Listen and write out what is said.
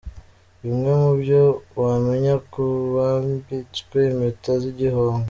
Bimwe mu byo wamenya ku bambitswe impeta z’igihango.